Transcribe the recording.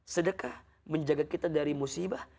sedekah menjaga kita dari musibah